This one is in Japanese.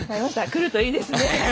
来るといいですね！